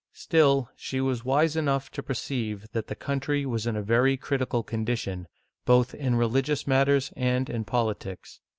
Still, she was wise enough to perceive that the country was in a very critical condition, both in religious matters and in politics.